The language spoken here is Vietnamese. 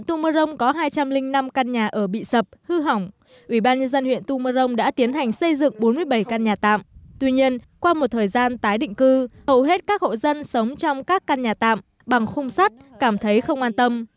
tuy nhiên qua một thời gian tái định cư hầu hết các hộ dân sống trong các căn nhà tạm bằng khung sắt cảm thấy không an tâm